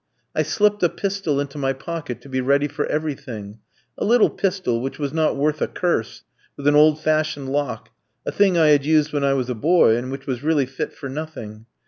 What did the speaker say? "I slipped a pistol into my pocket to be ready for everything; a little pistol which was not worth a curse, with an old fashioned lock a thing I had used when I was a boy, and which was really fit for nothing.